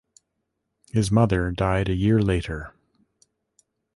His mother died a year later.